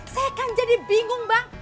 saya kan jadi bingung bang